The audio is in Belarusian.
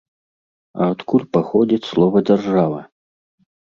А адкуль паходзіць слова дзяржава?